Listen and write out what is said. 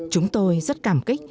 chúng tôi rất cảm kích